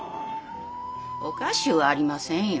おかしゅうはありませんよ。